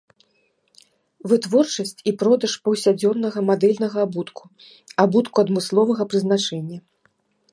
Вытворчасць і продаж паўсядзённага, мадэльнага абутку, абутку адмысловага прызначэння.